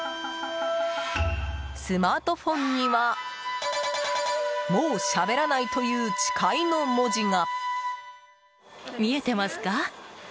スマートフォンには「もうしゃべらない」という誓いの文字が。